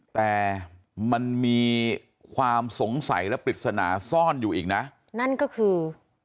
แต่มันมีความสงสัยและปริศนาซ่อนอยู่อีกนะนั่นก็คือ